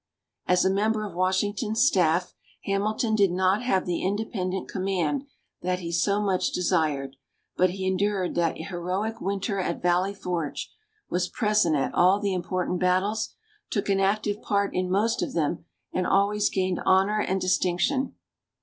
As a member of Washington's staff, Hamilton did not have the independent command that he so much desired; but he endured that heroic Winter at Valley Forge, was present at all the important battles, took an active part in most of them, and always gained honor and distinction.